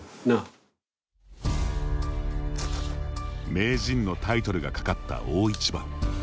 名人のタイトルがかかった大一番。